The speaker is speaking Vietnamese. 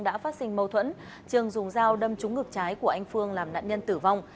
đã phát sinh mâu thuẫn trường dùng dao đâm trúng ngực trái của anh phương làm nạn nhân tử vong